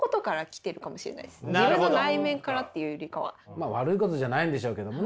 まあ悪いことじゃないんでしょうけどもね。